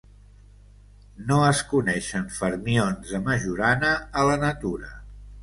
No es coneixen fermions de Majorana a la natura.